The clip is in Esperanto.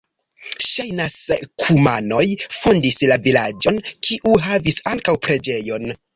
Ŝajnas, kumanoj fondis la vilaĝon, kiu havis ankaŭ preĝejon.